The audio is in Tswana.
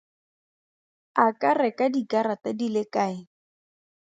A ka reka dikarata di le kae?